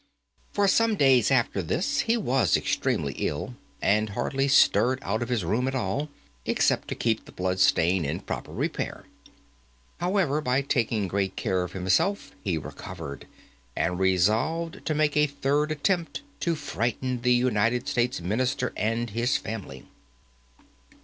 For some days after this he was extremely ill, and hardly stirred out of his room at all, except to keep the blood stain in proper repair. However, by taking great care of himself, he recovered, and resolved to make a third attempt to frighten the United States Minister and his family.